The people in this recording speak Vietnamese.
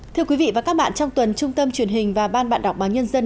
thưa quý vị và các bạn trong tuần trung tâm truyền hình và ban bạn đọc báo nhân dân